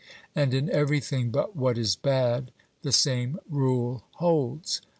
And in everything but what is bad the same rule holds.